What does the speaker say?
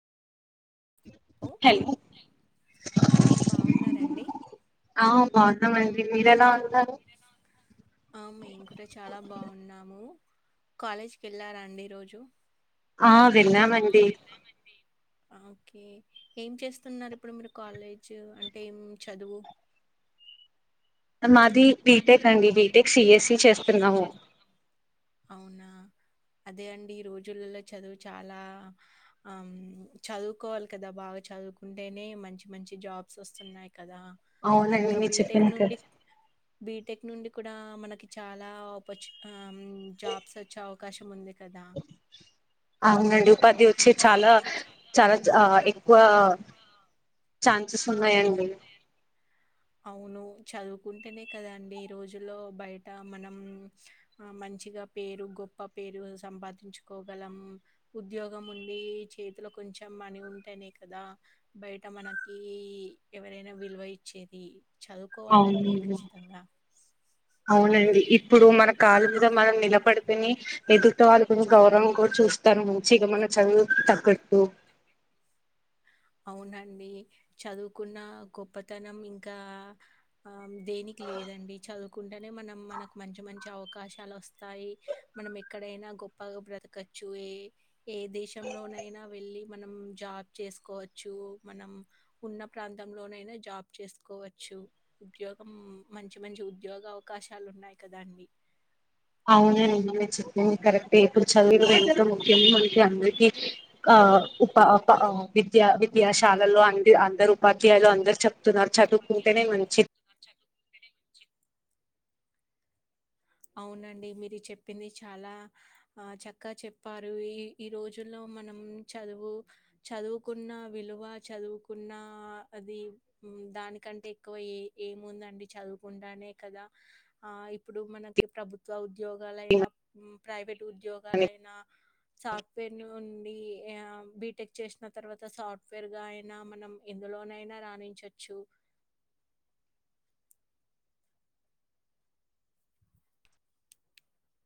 Hello ఆ బాగున్నారండి ఆ బాగున్నమండి మీరు ఎలా ఉన్నారు ఆ మేము కూడా చాలా బాగున్నాము కాలేజ్కి వెళ్ళారా అండి ఈ రోజు ఆ వెళ్ళమండి ఓకే ఏం చేస్తున్నారు ఇప్పుడు మీరు కాలేజ్ అంటే ఏం చదువు మాది బీటెక్ అండి బీటెక్ సిఎస్ఈ చేస్తున్నాము అవునా అదే అండి ఈ రోజులలో చదువు చాలా ఆ చదువుకోవాలి కదా బాగా చదువుకుంటేనే మంచి మంచి జాబ్స్ వస్తున్నాయి కదా అవునండి ఇంకా మీరు బీటెక్ చెప్పినట్టు నుండి బీటెక్ నుండి కూడా మనకి చాలాపర్చ జాబ్స్ వచ్చే అవకాశం ఉంది కదా! అవునండి ఉపాధి అవునండి. వచ్చి ఉపాధి చాలా వచ్చే చాలా చాలా ఎక్కువ ఆహ్, ఎక్కువ ఛాన్సెస్ ఛాన్సెస్ ఉన్నాయండి ఉన్నాయండి. అవును చదువుకుంటేనే కదా అండి ఈ రోజుల్లో బయట మనం ఆ మంచి మంచిగా పేరు గొప్ప పేరు సంపాదించుకోగలం ఉద్యోగం ఉండి చేతిలో కొంచెం మనీ ఉంటేనే కదా బయట మనకి ఎవరైనా విలువ ఇచ్చేది చదువుకోవాలండి అవును ఖచ్చితంగా. అవునండి ఇప్పుడు అవునండి మన కాల ఇప్పుడు మీద మన మనం కాలు కూడా మనం నిలబడుతుని ఎద నిలబడితేనే వాళ్ళు కొంచెం గౌరవం కూడా ఎదుర్కోవాలి చూస్తారు గౌరవం మంచి కూడా ఇక మన చూస్తాం చదువు చి మన తగ్గట్టు చదువుకు తగ్గట్టు అవునండి చదువుకున్న గొప్పతనం ఇంకా దేనికి లేదు దండి చదువుకుంటేనే మనం మనకు మంచి మంచి అవకాశాలు వస్తాయి మనం ఎక్కడైనా గొప్ప బ్రతకచ్చు ఏ ఏ దేశం లోనైనా వెళ్ళి మనం జాబ్ చేసుకోవచ్చు మనం ఉన్న ప్రాంతంలోనైనా జాబ్ చేసుకోవచ్చు ఉద్యోగం మంచి మంచి ఉద్యోగ అవకాశాలు ఉన్నాయి కదాండి అవునండి మీరు చెప్పింది కరెక్ట్ ఇప్పుడు అవునండి చదువు మీరు ఎంతో చెప్పింది ముఖ్యంగా కరెక్టే మనకి ఇప్పుడు అందరికీ చదివిన పిల్లలు ఉ ముఖ్యంగా అందరికీ విద్యా ఆ బా విద్యాశాలలో బా అ విద్యా అందరు పధ్యాలు అందరు విద్యాశాలలో అందరూ చెప్తున్నారు అందరూ ఉపాధ్యాయులు చదువుకుంటేనే అందరూ మంచి చెప్తున్నారు చదువుకుంటేనే మంచిది అవునండి మీరు చెప్పింది చాలా ఆ చక్కగా చెప్పారు ఈ ఈ రోజుల్లో మనం చదువు చదువుకున్న విలువ చదువుకున్న అది దానికంటే ఎక్కువ ఏ ఏముందండి చదువుకుంటానే కదా ఆ ఇప్పుడు మనకు ప్రభుత్వ ఉద్యోగాలయినా ప్రైవేట్ ఉద్యోగాలయినా సాఫ్ట్వేర్ ను ఉండి బిటెక్ చేసిన తర్వాత సాఫ్ట్వేర్ గా అయినా మనం ఎందు లోనైనా రాణించచ్చు